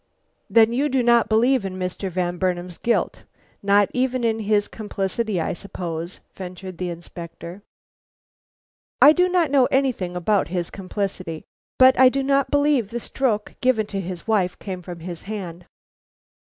"Then you do not believe in Mr. Van Burnam's guilt? Not even in his complicity, I suppose?" ventured the Inspector. "I do not know anything about his complicity; but I do not believe the stroke given to his wife came from his hand."